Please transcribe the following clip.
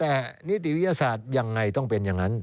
แต่นิติวิทยาศาสตร์ยังไงต้องเป็นอย่างนั้น